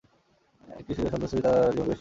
একটি সৌন্দর্যশ্রী তাহার জীবনকে বেষ্টন করিয়া ধরিল।